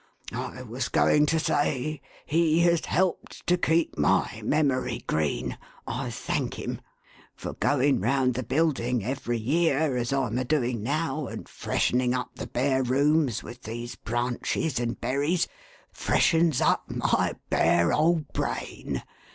I was going to say — he has helped to keep my memory green, I thank him ; for, going round the building every year, as I'm a doing now, and freshening up the bare rooms with these branches and berries, freshens up my bare old brain.